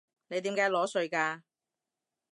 你點解裸睡㗎？